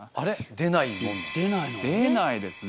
出ないですね